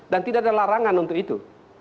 dan tidak ada larangan untuk itu